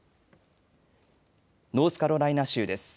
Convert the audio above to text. ノースカロライナ州です。